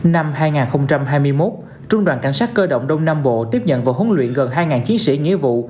năm hai nghìn hai mươi một trung đoàn cảnh sát cơ động đông nam bộ tiếp nhận và huấn luyện gần hai chiến sĩ nghĩa vụ